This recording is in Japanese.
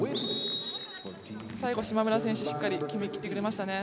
最後、島村選手、しっかり決めきってくれましたね。